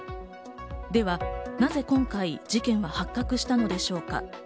では、なぜ今回事件は発覚したのでしょうか。